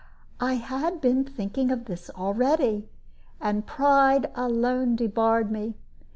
I had been thinking of this already, and pride alone debarred me.